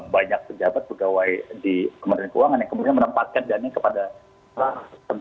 banyak pejabat pegawai di struktur cara keuangan yang kemudian menempatkan dana kepada misteri keuangan tertentu